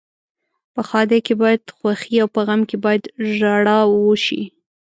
په ښادۍ کې باید خوښي او په غم کې باید ژاړا وشي.